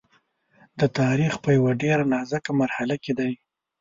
د تاریخ په یوه ډېره نازکه مرحله کې دی.